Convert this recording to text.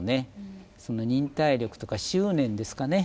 忍耐力とか執念ですかね。